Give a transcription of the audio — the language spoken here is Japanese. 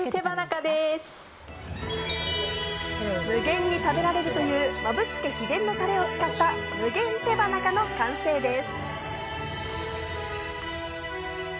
無限に食べられるという馬淵家秘伝のタレを使った無限手羽中の完成です。